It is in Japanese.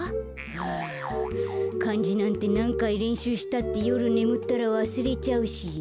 はあかんじなんてなんかいれんしゅうしたってよるねむったらわすれちゃうし。